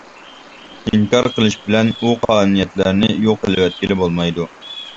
ئىنكار قىلىش بىلەن ئۇ قانۇنىيەتلەرنى يوق قىلىۋەتكىلى بولمايدۇ.